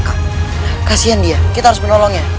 cepat silahkan kasian dia kita harus menolongnya